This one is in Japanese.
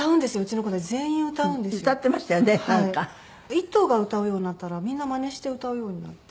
１頭が歌うようになったらみんなマネして歌うようになって。